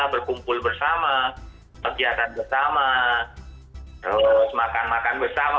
berkumpul bersama kegiatan bersama terus makan makan bersama